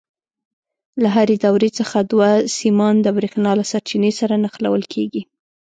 له هرې دورې څخه دوه سیمان د برېښنا له سرچینې سره نښلول کېږي.